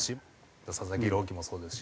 佐々木朗希もそうですしね。